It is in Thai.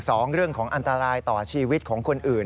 สองเรื่องของอันตรายต่อชีวิตของคนอื่น